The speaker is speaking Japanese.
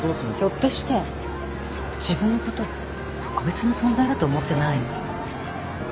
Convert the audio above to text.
ひょっとして自分のこと特別な存在だと思ってない？